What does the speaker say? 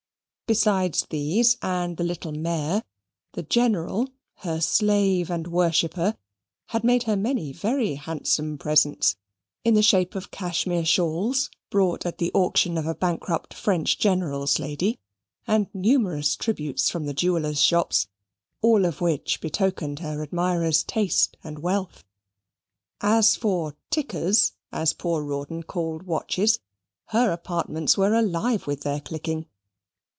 Besides these, and the little mare, the General, her slave and worshipper, had made her many very handsome presents, in the shape of cashmere shawls bought at the auction of a bankrupt French general's lady, and numerous tributes from the jewellers' shops, all of which betokened her admirer's taste and wealth. As for "tickers," as poor Rawdon called watches, her apartments were alive with their clicking.